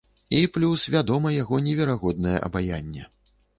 І плюс, вядома, яго неверагоднае абаянне.